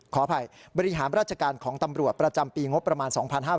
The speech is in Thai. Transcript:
ขออภัยบริหารราชการของตำรวจประจำปีงบประมาณ๒๕๕๙